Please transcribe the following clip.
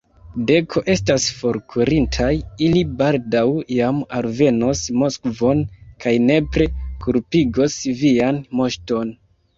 Deko estas forkurintaj, ili baldaŭ jam alvenos Moskvon kaj nepre kulpigos vian moŝton!